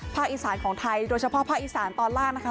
อีสานของไทยโดยเฉพาะภาคอีสานตอนล่างนะคะ